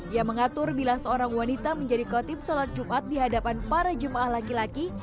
ia mengatur bila seorang wanita menjadi khotib sholat jumat di hadapan para jemaah laki laki